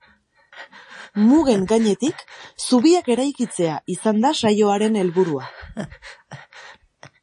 Mugen gainetik, zubiak eraikitzea izan da saioaren helburua.